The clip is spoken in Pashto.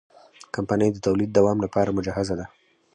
کمپنۍ د تولید دوام لپاره مجهزه ده.